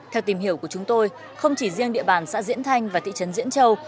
theo tìm hiểu của chúng tôi không chỉ riêng địa bàn xã diễn thanh và thị trấn diễn châu